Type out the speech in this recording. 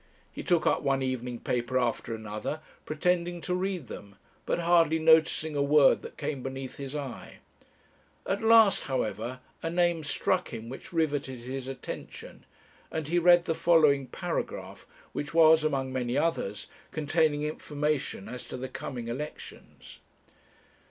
He took up one evening paper after another, pretending to read them, but hardly noticing a word that came beneath his eye: at last, however, a name struck him which riveted his attention, and he read the following paragraph, which was among many others, containing information as to the coming elections.